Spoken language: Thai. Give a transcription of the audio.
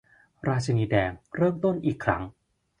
ราชินีแดงเริ่มต้นอีกครั้ง